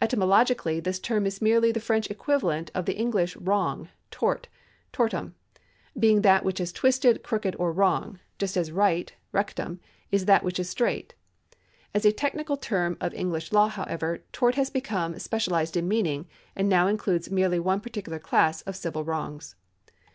Etymo logically this term is merely the French equivalent of the English wrong^ — tort (tortum), being that which is twisted, crooked, or wrong ; just as right (rectmu) is that which is straight. As a technical term of English law, however, tort has become specialised in meaning, and now includes merely one particular class of civil wrongs.